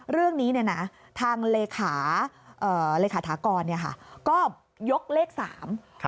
เรื่องนี้เนี่ยนะทางเลขาเอ่อเลขาถากรเนี่ยค่ะก็ยกเลขสาม